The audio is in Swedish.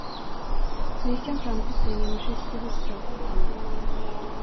Så gick han fram till sängen och kysste hustrun på pannan.